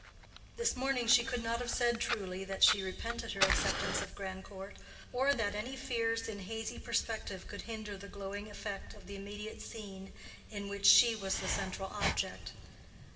This morning she could not have said truly that she repented her acceptance of Grandcourt, or that any fears in hazy perspective could hinder the glowing effect of the immediate scene in which she was the central object.